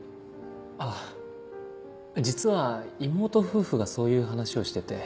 あぁ実は妹夫婦がそういう話をしてて。